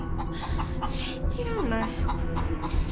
信じらんない。